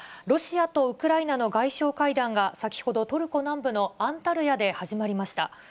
ロシアとウクライナの外相会談が先ほど、トルコ南部のアンタルヤで始まりました。